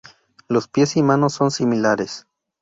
Los pies y manos son similares.